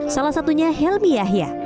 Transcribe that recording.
salah satunya helmy yahya